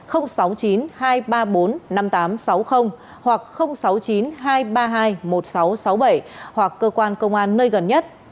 năm nghìn tám trăm sáu mươi hoặc sáu mươi chín hai trăm ba mươi hai một nghìn sáu trăm sáu mươi bảy hoặc cơ quan công an nơi gần nhất